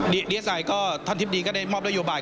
ดีเอสไอท่านทิพดีก็ได้มอบระยวบาล